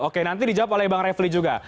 oke nanti dijawab oleh bang refli juga